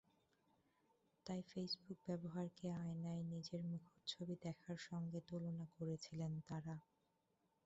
তাই ফেসবুক ব্যবহারকে আয়নায় নিজের মুখচ্ছবি দেখার সঙ্গে তুলনা করেছিলেন তাঁরা।